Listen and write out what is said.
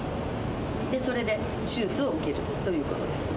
それで手術を受けるということです